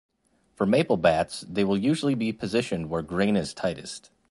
For maple bats they will usually be positioned where grain is tightest.